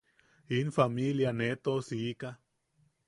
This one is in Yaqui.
In familia nee toʼosiika.